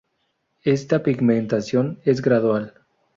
Esta pigmentación es gradual.